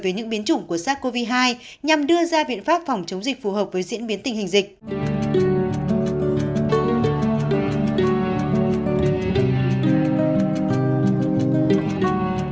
về những biến chủng của sars cov hai nhằm đưa ra biện pháp phòng chống dịch phù hợp với diễn biến tình hình dịch